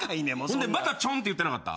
ほんでまたちょんって言ってなかった？